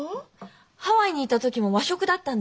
ハワイにいた時も和食だったんです。